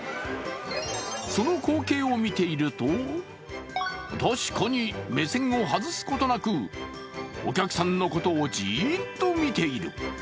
その光景を見ていると、確かに目線を外すことなくお客さんのことをじーっと見ている。